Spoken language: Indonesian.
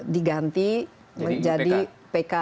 diganti menjadi pk